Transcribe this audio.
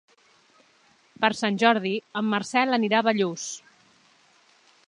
Per Sant Jordi en Marcel anirà a Bellús.